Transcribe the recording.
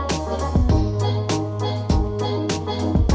ทุกที่ว่าใช่ไหม